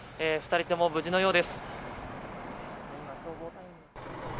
２人とも無事のようです。